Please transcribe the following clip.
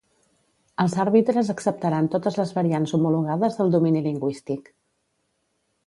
Els àrbitres acceptaran totes les variants homologades del domini lingüístic.